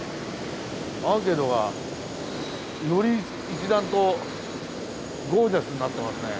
アーケードがより一段とゴージャスになってますね。